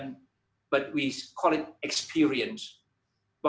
tapi kami menyebutnya pengalaman